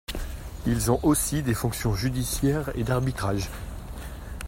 Ils ont aussi des fonctions judiciaires, et d'arbitrage.